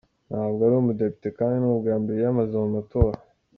Ntabwo ari umudepite kandi ni ubwa mbere yiyamaza mu matora.